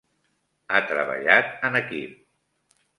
Ha treballat en equip.